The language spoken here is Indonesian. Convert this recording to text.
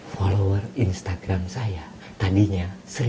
follower instagram saya tadinya seribu lima ratus delapan puluh tiga